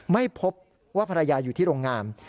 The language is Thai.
ไม่พบว่าภรรยาอยู่ที่โรงงาน